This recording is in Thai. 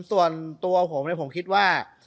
ส่วนตัวผมเนี่ยผมคิดว่า